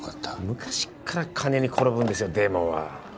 昔っから金に転ぶんですよデイモンは。